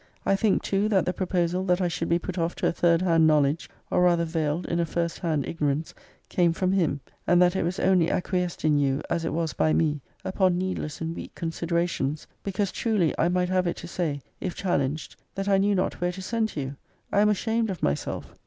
I think too, that the proposal that I should be put off to a third hand knowledge, or rather veiled in a first hand ignorance, came from him, and that it was only acquiesced in by you, as it was by me,* upon needless and weak considera tions; because, truly, I might have it to say, if challenged, that I knew not where to send to you! I am ashamed of myself!